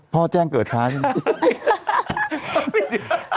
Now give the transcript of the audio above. แจ้งเกิดช้าใช่ไหม